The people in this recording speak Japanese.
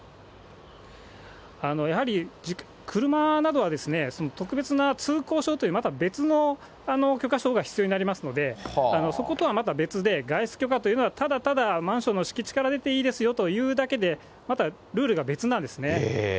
やはり、車などは特別な通行証というまた別の許可証が必要になりますので、そことはまた別で、外出許可というのはただただマンションの敷地から出ていいですよというだけで、またルールが別なんですね。